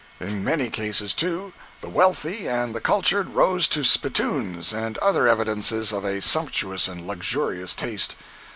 In many cases, too, the wealthy and the cultured rose to spittoons and other evidences of a sumptuous and luxurious taste.